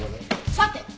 さて。